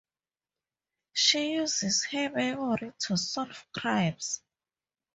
She uses her memory to solve crimes.